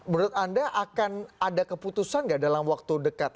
menurut anda akan ada keputusan nggak dalam waktu dekat